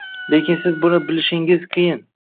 lekin siz buni bilishingiz qiyin.